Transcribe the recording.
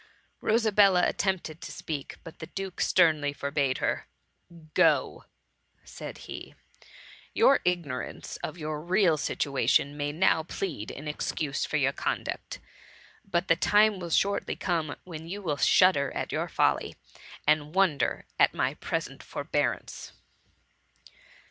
^ Rosabella attempted to speak, but the duke sternly forbade her. " Go,*' said he, your ignorance of your real situation may now plead in excuse for your conduct. But the time will shortly come when you will shudder at your folly, and wonder at my present for bearance.